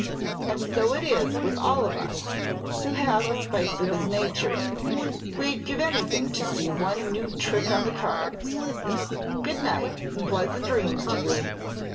And so it is with all of us who have a spice of his nature; we'd give anything to see one new trick on the cards. Good night, and pleasant dreams to you!"